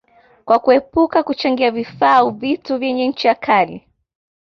kwa kuepuka kuchangia vifaa au vitu vyenye ncha kali